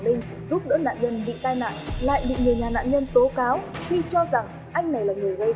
linh giúp đỡ nạn nhân bị tai nạn lại bị người nhà nạn nhân tố cáo khi cho rằng anh này là người gây